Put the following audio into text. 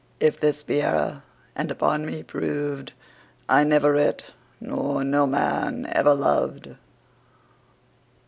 If this be error and upon me prov'd, I never writ, nor no man ever lov'd.